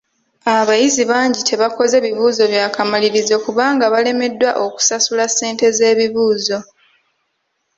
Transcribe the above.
Abayizi bangi tebakoze bibuuzo bya kamalirizo kubanga balemeddwa okusasula ssente z'ebibuuzo.